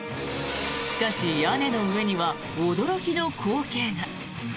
しかし、屋根の上には驚きの光景が。